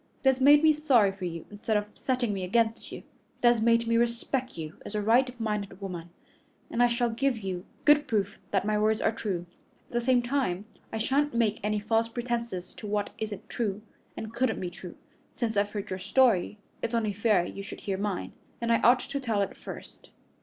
It has made me sorry for you instead of setting me against you. It has made me respect you as a right minded woman, and I shall give you good proof that my words are true. At the same time, I shan't make any false pretenses to what isn't true and couldn't be true. Since I've heard your story, it's only fair you should hear mine, and I ought to tell it first."